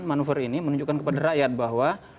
manuver ini menunjukkan kepada rakyat bahwa